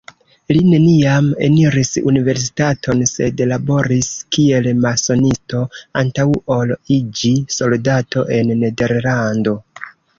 Li neniam eniris universitaton, sed laboris kiel masonisto antaŭ ol iĝi soldato en Nederlando.